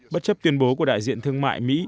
bất chấp tuyên bố của đại diện thương mại mỹ